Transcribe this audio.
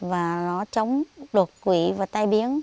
và nó chống đột quỷ và tai biến